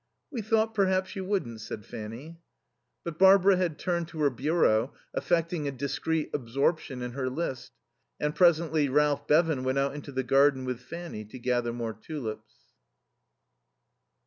"We thought perhaps you wouldn't," said Fanny. But Barbara had turned to her bureau, affecting a discreet absorption in her list. And presently Ralph Bevan went out into the garden with Fanny to gather more tulips.